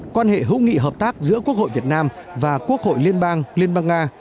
quan hệ hữu nghị hợp tác giữa quốc hội việt nam và quốc hội liên bang liên bang nga